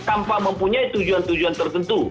tanpa mempunyai tujuan tujuan tertentu